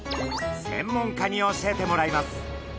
専門家に教えてもらいます。